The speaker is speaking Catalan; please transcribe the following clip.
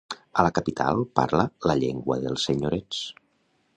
A la capital parla la llengua dels senyorets.